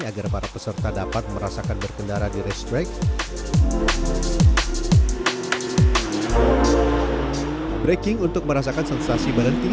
agar para peserta dapat merasakan berkendara di restrik breaking untuk merasakan sensasi berhenti